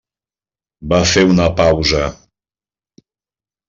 Va fer una pausa.